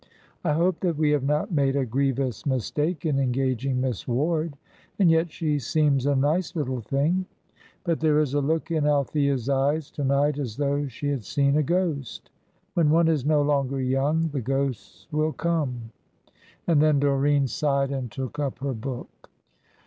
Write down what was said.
I hope that we have not made a grievous mistake in engaging Miss Ward and yet she seems a nice little thing! But there is a look in Althea's eyes to night as though she had seen a ghost. When one is no longer young the ghosts will come;" and then Doreen sighed and took up her book.